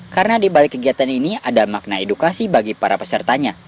karena di balik kegiatan ini ada makna edukasi bagi para pesertanya